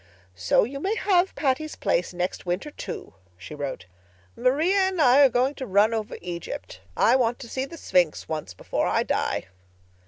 "So you may have Patty's Place next winter, too," she wrote. "Maria and I are going to run over Egypt. I want to see the Sphinx once before I die."